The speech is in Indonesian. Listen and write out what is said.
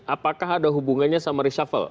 apakah ada hubungannya sama reshuffle